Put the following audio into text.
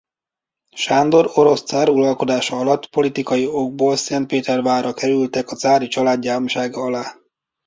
Sándor orosz cár uralkodása alatt politikai okból Szentpétervárra kerültek a cári család gyámsága alá.